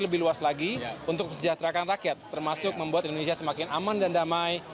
lebih luas lagi untuk kesejahterakan rakyat termasuk membuat indonesia semakin aman dan damai